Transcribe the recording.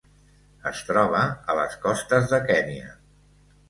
Es troba a les costes de Kenya.